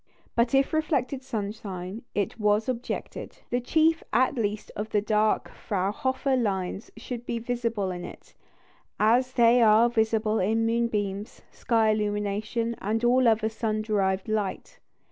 But if reflected sunshine, it was objected, the chief at least of the dark Fraunhofer lines should be visible in it, as they are visible in moonbeams, sky illumination, and all other sun derived light.